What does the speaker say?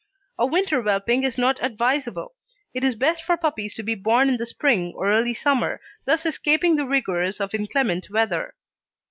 A winter whelping is not advisable. It is best for puppies to be born in the spring or early summer, thus escaping the rigours of inclement weather.